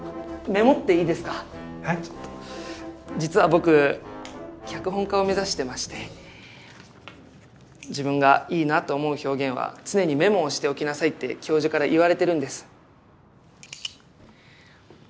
実は僕脚本家を目指してまして自分がいいなって思う表現は常にメモをしておきなさいって教授から言われてるんです。